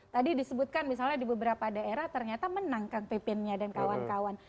tadi disebutkan misalnya di beberapa daerah ternyata menang kang pipinnya dan kawan kawan